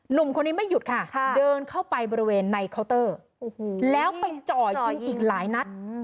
หนุ่มคนนี้ไม่หยุดค่ะเดินเข้าไปบริเวณในเคาน์เตอร์แล้วไปจ่อยิงอีกหลายนัด